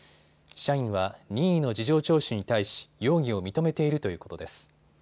社員は任意の事情聴取に対し容疑を認めているということです。